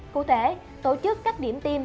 cụ thể tổ chức các điểm tiêm